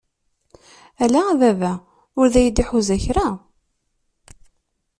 Ala a baba ur d ay-d-iḥuza kra!